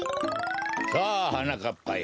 さあはなかっぱよ。